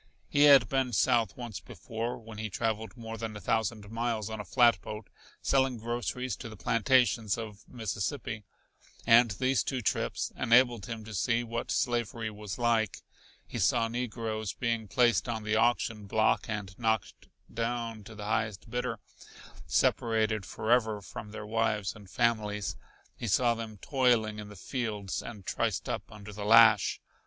He had been south once before, when he traveled more than a thousand miles on a flatboat selling groceries to the plantations of Mississippi, and these two trips enabled him to see what slavery was like. He saw negroes being placed on the auction block and knocked down to the highest bidder, separated forever from their wives and families. He saw them toiling in the fields and triced up under the lash.